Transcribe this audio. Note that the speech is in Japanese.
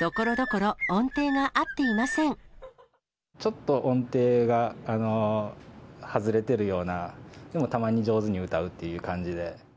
ところどころ、ちょっと音程が、外れてるような、でもたまに上手に歌うっていう感じで。